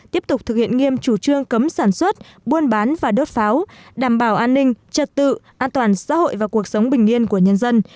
tiếp tục thực hiện nghiêm chủ trương cấm sản xuất buôn bán và đốt pháo đảm bảo an ninh trật tự an toàn xã hội và cuộc sống bình yên của nhân dân